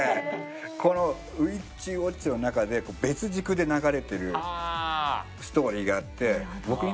この『ＷＩＴＣＨＷＡＴＣＨ』の中で別軸で流れてるストーリーがあって。